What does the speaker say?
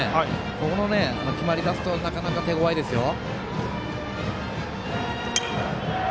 ここ、決まりだすとなかなか、手ごわいですよ。